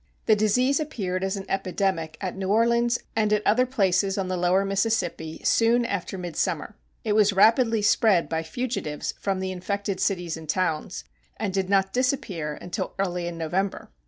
The disease appeared as an epidemic at New Orleans and at other places on the Lower Mississippi soon after midsummer. It was rapidly spread by fugitives from the infected cities and towns, and did not disappear until early in November.